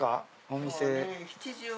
お店。